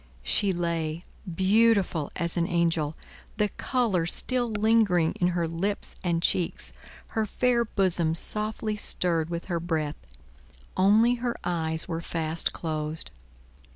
She lay, beautiful as an angel, the color still lingering in her lips and cheeks, her fair bosom softly stirred with her breath; only her eyes were fast closed.